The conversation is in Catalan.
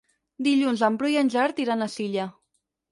Dilluns en Bru i en Gerard iran a Silla.